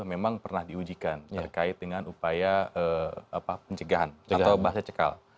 memang pernah diujikan terkait dengan upaya pencegahan atau bahasa cekal